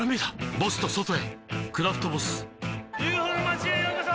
ボスと外へ「クラフトボス」ＵＦＯの町へようこそ！